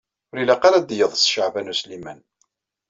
Ur ilaq ara ad d-iḍes Caɛban U Sliman.